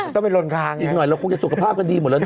ต้องไปลนค้างอีกหน่อยเราคงจะสุขภาพกันดีหมดแล้วนะ